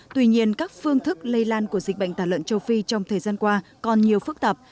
tuy nhiên các phương thức lây lan của dịch bệnh tả lợn châu phi trong thời gian qua còn nhiều phức tạp